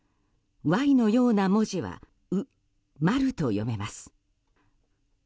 Ｙのような文字はウマルと読めます。